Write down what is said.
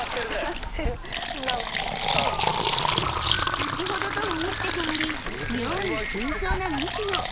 ［先ほどとは打って変わり妙に慎重な西野］